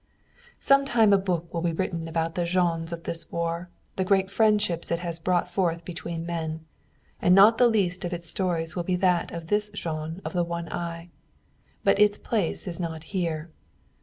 Sometime a book will be written about the Jeans of this war, the great friendships it has brought forth between men. And not the least of its stories will be that of this Jean of the one eye. But its place is not here.